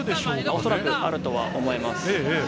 おそらくあるとは思いま